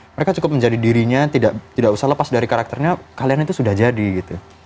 mereka cukup menjadi dirinya tidak usah lepas dari karakternya kalian itu sudah jadi gitu